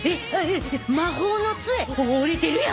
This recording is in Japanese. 魔法のつえお折れてるやん。